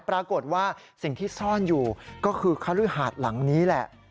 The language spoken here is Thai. ปรากฏว่าสิ่งที่ซ่อนอยู่ก็คือคฤหาดหลังนี้แหละ